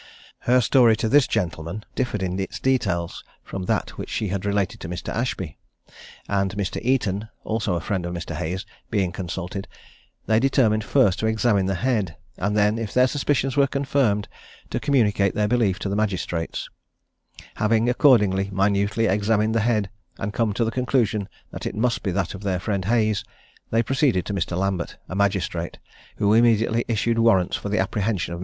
Her story to this gentleman differed in its details from that which she had related to Mr. Ashby; and Mr. Eaton, also a friend of Mr. Hayes, being consulted, they determined first to examine the head, and then, if their suspicions were confirmed, to communicate their belief to the magistrates. Having accordingly minutely examined the head, and come to the conclusion that it must be that of their friend Hayes, they proceeded to Mr. Lambert, a magistrate, who immediately issued warrants for the apprehension of Mrs. Hayes and Mrs. Springate, as well as of Wood and Billings, and proceeded to execute them personally.